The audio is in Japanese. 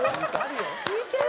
浮いてる。